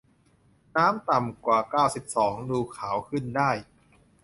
น้ำต่ำกว่า เก้าสิบสอง ดูขาวขึ้นได้